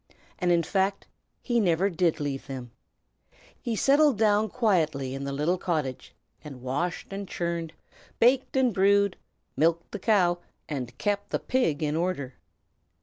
And, in fact, he never did leave them. He settled down quietly in the little cottage, and washed and churned, baked and brewed, milked the cow and kept the pig in order.